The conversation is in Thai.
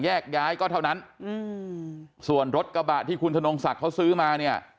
แยกย้ายก็เท่านั้นอืมส่วนรถกระบะที่คุณธนงศักดิ์เขาซื้อมาเนี่ย